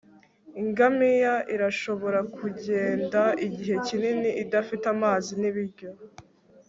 ingamiya irashobora kugenda igihe kinini idafite amazi nibiryo